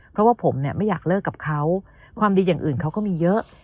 เพราะว่าผมเนี่ยไม่อยากเลิกกับเขาความดีอย่างอื่นเขาก็มีเยอะ